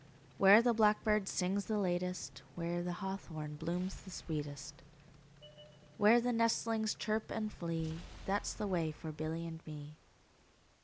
Where the blackbird sings the latest, 5 Where the hawthorn blooms the sweetest, Where the nestlings chirp and flee, That 's the way for Billy and me.